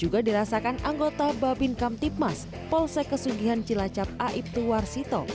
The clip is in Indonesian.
sedangkan anggota babin kamtipmas polsek kesugihan cilacap aibtu warsito